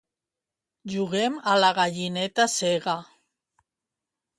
Juguem a la gallineta cega